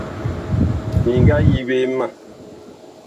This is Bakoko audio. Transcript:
Mi nga yi ɓe ma.